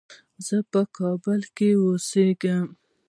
زه په کابل کې اوسېږم.